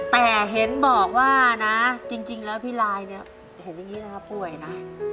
แต่เห็นบอกว่านะจริงแล้วพี่ลายเนี่ยเห็นอย่างนี้นะครับป่วยนะ